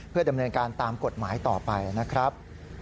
เพื่อดำเนินการตามกฎหมายต่อไปนะครับ